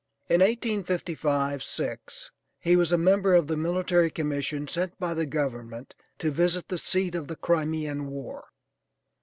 In 1855 '6 he was a member of the Military Commission sent by the government to visit the seat of the Crimean war.